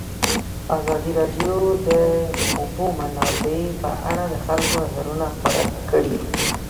ازادي راډیو د د اوبو منابع په اړه د خلکو نظرونه خپاره کړي.